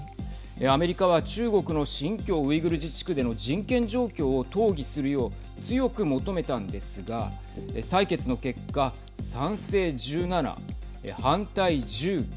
アメリカは中国の新疆ウイグル自治区での人権状況を討議するよう強く求めたんですが採決の結果、賛成１７反対１９